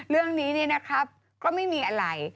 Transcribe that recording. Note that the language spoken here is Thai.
เรื่องนี้เนี่ยนะครับก็ไม่มีอะไร